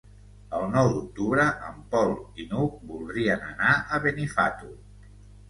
El nou d'octubre en Pol i n'Hug voldrien anar a Benifato.